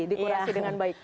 dikorasi dengan baik